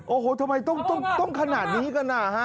โอ้โหทำไมต้องขนาดนี้กันอ่ะฮะ